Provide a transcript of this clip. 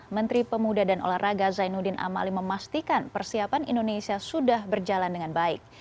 menteri pemuda dan olahraga zainuddin amali memastikan persiapan indonesia sudah berjalan dengan baik